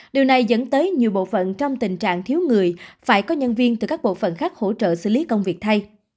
điều này dẫn tới nhiều bộ phận trong tình trạng thiếu người phải có nhân viên từ các bộ phận khác hỗ trợ xử lý công việc thay